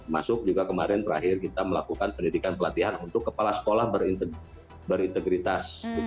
masuk juga kemarin terakhir kita melakukan pendidikan pelatihan untuk kepala sekolah berintegritas